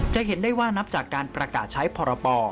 จะเห็นได้ว่านับจากการประกาศใช้พรป